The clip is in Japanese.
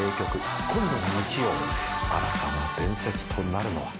今度の日曜新たな伝説となるのは。